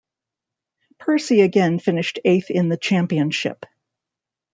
Percy again finished eighth in the championship.